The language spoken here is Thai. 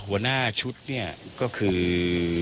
หัวหน้าชุดเนี่ยก็คือ